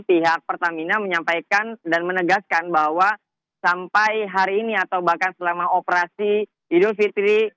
pihak pertamina menyampaikan dan menegaskan bahwa sampai hari ini atau bahkan selama operasi idul fitri